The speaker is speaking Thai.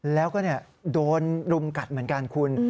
แล้วก็โดนรุมกัดเหมือนกันคุณ